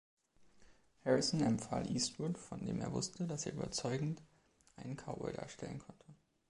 Harrison empfahl Eastwood, von dem er wusste, dass er überzeugend einen Cowboy darstellen konnte.